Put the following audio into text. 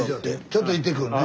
ちょっと行ってくるね。